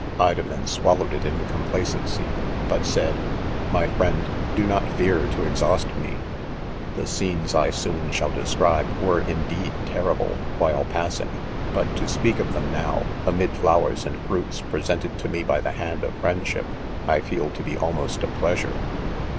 ■■| "Idomen swallowed It in complacency, but said : r i My friend, do not fear to exhaust me 5 the scenes I soon shall (describe were indeed 3 terrible, while passing, .but to speak of them now, ; amid flowers and {fruits presented to me by the hand of .friendship, J feel to be almost,, a. pleasure.